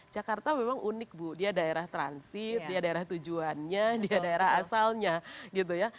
jakarta memang unik bu dia daerah transit dia daerah tujuannya dia daerah asalnya gitu ya